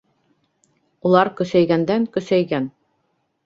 Улар көсәйгәндән-көсәйгән.